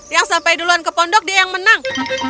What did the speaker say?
yang sampai duluan ke pondok dia yang menang